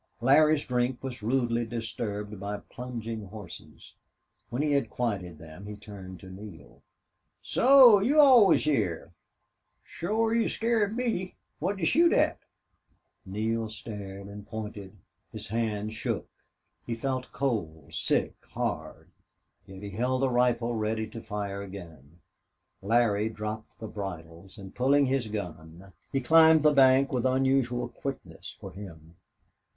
Larry's drink was rudely disturbed by plunging horses. When he had quieted them he turned to Neale. "So you all was heah. Shore you scared me. What'd you shoot at?" Neale stared and pointed. His hand shook. He felt cold, sick, hard, yet he held the rifle ready to fire again. Larry dropped the bridles and, pulling his gun, he climbed the bank with unusual quickness for him.